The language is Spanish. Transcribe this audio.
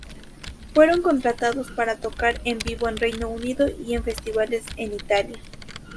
Fueron contratados para tocar en vivo en Reino Unido y en festivales en Italia.